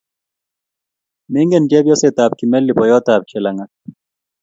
Mengen Chepyoset ap Kimeli poyot ap Chelang'at.